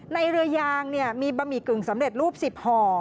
ในเรือยางมีบะหมี่กึ่งสำเร็จรูป๑๐ห่อ